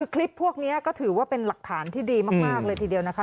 คลิปพวกนี้ก็ถือว่าเป็นหลักฐานที่ดีมากเลยทีเดียวนะคะ